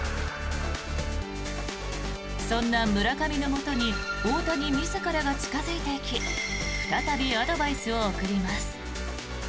そんな村上のもとに大谷自らが近付いていき再びアドバイスを送ります。